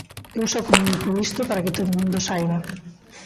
Eu só comunico isto para que todo o mundo o saiba.